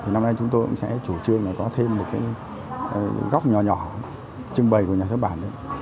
năm nay chúng tôi cũng sẽ chủ trương là có thêm một góc nhỏ nhỏ trưng bày của nhà xuất bản đấy